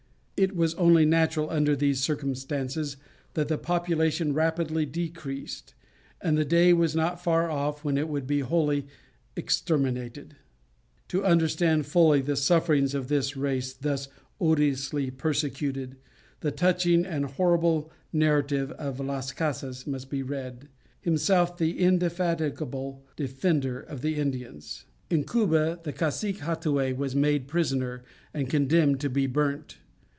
It was only natural under these circumstances that the population rapidly decreased, and the day was not far off when it would be wholly exterminated. To understand fully the sufferings of this race thus odiously persecuted, the touching and horrible narrative of Las Casas must be read, himself the indefatigable defender of the Indians. [Illustration: Indians burnt alive. From an old print.] In Cuba, the Cacique Hattuey was made prisoner and condemned to be burnt.